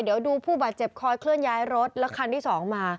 เดี๋ยวดูผู้บาดเจ็บคอยเคลื่อนย้ายรถแล้วคันที่สองมา